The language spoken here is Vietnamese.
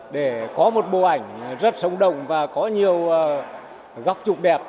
để có một bộ ảnh rất sống động và có nhiều góc chụp đẹp